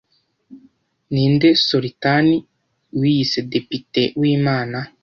Ninde Solitani wiyise Depite w'Imana,